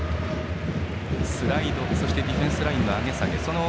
スライドディフェンスラインの上げ下げ。